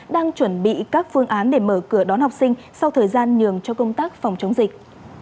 đang chuẩn bị các phương án để mở cửa đón học sinh sau thời gian nhường cho công tác phòng chống dịch